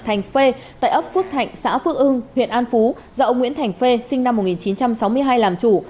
thành phê tại ấp phước thạnh xã phước hưng huyện an phú do ông nguyễn thành phê sinh năm một nghìn chín trăm sáu mươi hai làm chủ